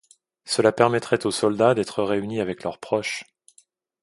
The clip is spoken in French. Cela permettrait aux soldats d'être réunis avec leurs proches.